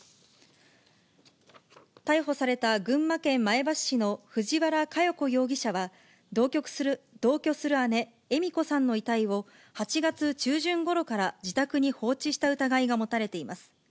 逮捕された群馬県前橋市の藤原香代子容疑者は、同居する姉、恵美子さんの遺体を、８月中旬ごろから自宅に放置した疑いが持たれています。